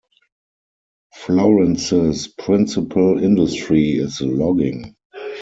Florence's principal industry is logging.